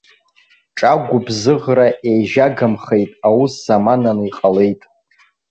Ҿагәыбзыӷра еижьагамхеит, аус замананы иҟалеит.